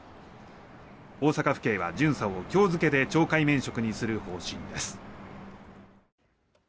大阪府警は巡査を今日付で懲戒免職にする方針です。